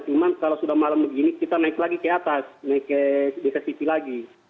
cuma kalau sudah malam begini kita naik lagi ke atas naik ke desa sisi lagi